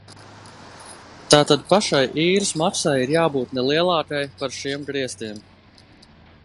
Tātad pašai īres maksai ir jābūt ne lielākai par šiem griestiem.